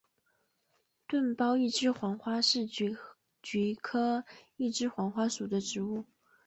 钝苞一枝黄花是菊科一枝黄花属的植物。